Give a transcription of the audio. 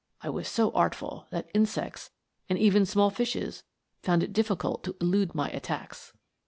I was so artful, that insects, and even small fishes, found it difficult to elude my attacks.